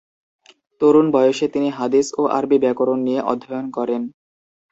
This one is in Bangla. তরুণ বয়সে তিনি হাদিস ও আরবি ব্যাকরণ নিয়ে অধ্যয়ন করেন।